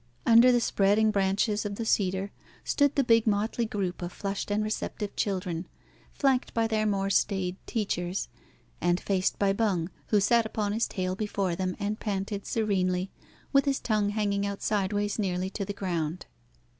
Under the spreading branches of the cedar stood the big motley group of flushed and receptive children, flanked by their more staid teachers, and faced by Bung, who sat upon his tail before them, and panted serenely, with his tongue hanging out sideways nearly to the ground.